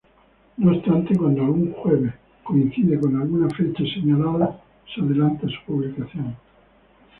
No obstante, cuando algún jueves coincide con alguna fecha señalada se adelanta su publicación.